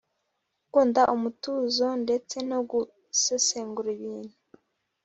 gukunda umutuzo ndetse no gusesengura ibintu